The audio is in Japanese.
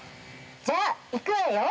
じゃあいくわよ！